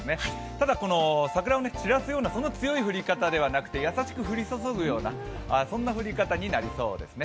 ただ、この桜を散らすようなそんなに強い降り方ではなく優しく降り注ぐような降り方になりそうですね。